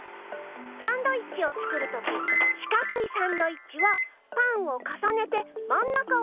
サンドイッチを作るときしかくいサンドイッチはパンをかさねてまん中を切るでしょ？